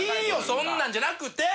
そんなんじゃなくて！